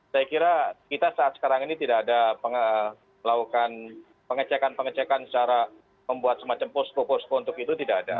saya kira kita saat sekarang ini tidak ada melakukan pengecekan pengecekan secara membuat semacam posko posko untuk itu tidak ada